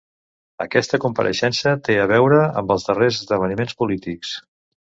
Aquesta compareixença té a veure amb els darrers esdeveniments polítics.